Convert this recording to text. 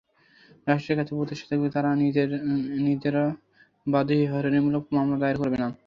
রাষ্ট্রের কাছে প্রত্যাশা থাকবে, তারা নিজেরা বাদী হয়ে হয়রানিমূলক মামলা দায়ের করবে না।